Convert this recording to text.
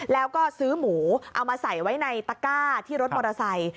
แล้วก็ซื้อหมูเอามาใส่ไว้ในตะก้าที่รถมอเตอร์ไซค์